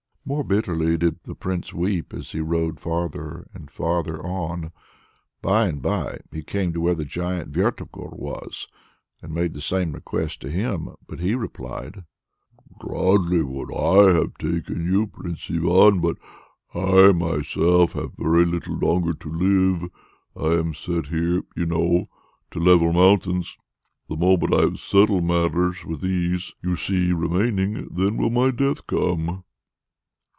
More bitterly still did the prince weep as he rode farther and farther on. By and by he came to where the giant Vertogor was, and made the same request to him, but he replied: "Gladly would I have taken you, Prince Ivan! but I myself have very little longer to live. I am set here, you know, to level mountains. The moment I have settled matters with these you see remaining, then will my death come!"